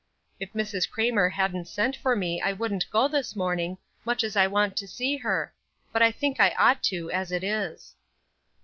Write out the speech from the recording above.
If Mrs. Craymer hadn't sent for me I wouldn't go this morning, much as I want to see her, but I think I ought to, as it is."